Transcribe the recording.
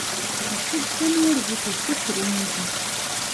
Okuggyamu olubuto si kirungi.